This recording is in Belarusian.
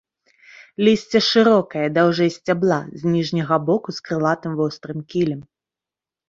Лісце шырокае, даўжэй сцябла, з ніжняга боку з крылатым вострым кілем.